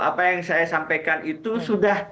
apa yang saya sampaikan itu sudah